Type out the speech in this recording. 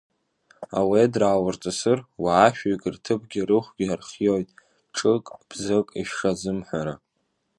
Ауедра ааурҵысыр, уаа шәҩык рҭыԥгьы, рыхәгьы архиоит, ҿык, бзык ишазымҳәара.